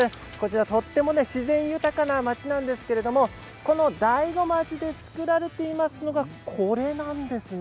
とても自然豊かな町なんですけれど大子町で作られていますのがこちらなんです。